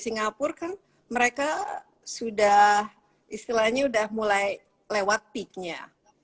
singapura kan mereka sudah istilahnya udah mulai lewat piknya